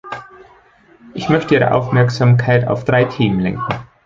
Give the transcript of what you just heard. Ich möchte Ihre Aufmerksamkeit auf drei Themen lenken.